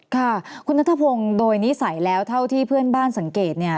ค่ะคุณนัทพงศ์โดยนิสัยแล้วเท่าที่เพื่อนบ้านสังเกตเนี่ย